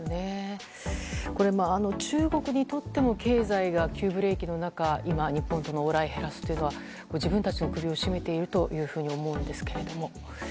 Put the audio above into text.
これ、中国にとっても経済が急ブレーキの中今、日本との往来を減らすというのは自分たちの首を絞めていると思うんですけども。